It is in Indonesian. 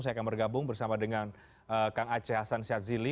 saya akan bergabung bersama dengan kang aceh hasan syadzili